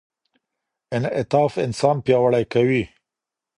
انعطاف انسان پیاوړی کوي.